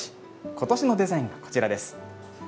ことしのデザイン、こちらです。